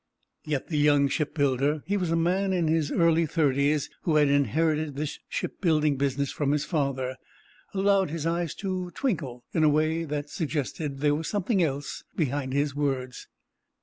Yet the young shipbuilder—he was a man in his early thirties, who had inherited this shipbuilding business from his father—allowed his eyes to twinkle in a way that suggested there was something else behind his words.